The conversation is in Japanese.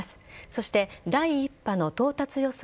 そして、第１波の到達予想